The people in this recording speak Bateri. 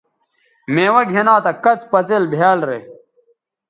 میوہ گِھنا تہ کڅ پڅئیل بھیال رے